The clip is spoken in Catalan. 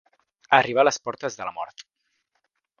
Arribar a les portes de la mort.